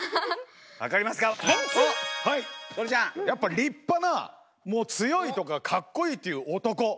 やっぱ立派なもう強いとかかっこいいっていう男。